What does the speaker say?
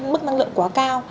mức năng lượng quá cao